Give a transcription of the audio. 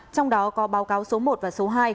trong đó có báo cáo số một và số hai